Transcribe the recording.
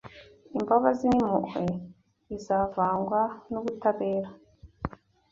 Imbabazi n’impuhwe bizavangwa n’ubutabera